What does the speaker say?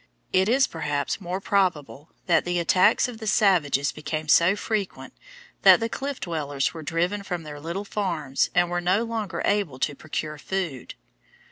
It is, perhaps, more probable that the attacks of the savages became so frequent that the Cliff Dwellers were driven from their little farms and were no longer able to procure food.